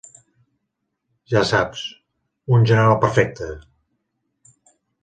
Ja saps, un general perfecte!